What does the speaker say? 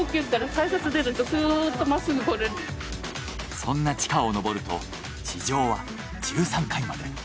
そんな地下を上ると地上は１３階まで。